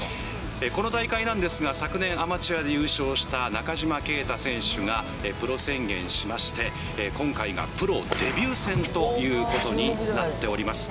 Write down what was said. この大会なんですが、昨年、アマチュアで優勝した中島啓太選手がプロ宣言しまして、今回がプロデビュー戦ということになっております。